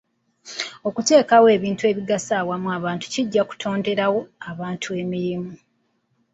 Okuteekawo ebintu ebigasiza awamu abantu kijja kutonderawo abantu emirimu.